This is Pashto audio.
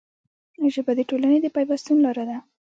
ژبه د ټولنې د پیوستون لاره ده